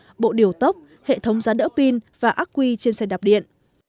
các bộ điều tốc hệ thống giá đỡ pin và ác quy trên xe đạp điện